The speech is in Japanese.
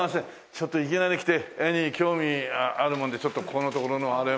ちょっといきなり来て絵に興味あるもんでちょっとここの所のあれを。